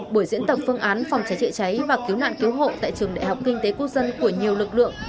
buổi diễn tập phương án phòng cháy chữa cháy và cứu nạn cứu hộ tại trường đại học kinh tế quốc dân của nhiều lực lượng